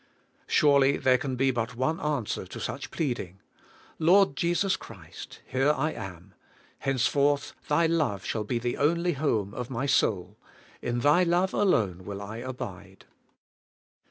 Surely there can be but one answer to such plead ing: Lord Jesus Christ! here I am. Henceforth Thy love shall be the only home of my soul : in Thy love alone will I abide.